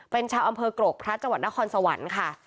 เป็นชาวอำเภอกรกพระจังหวัดนครสวรรค์ค่ะ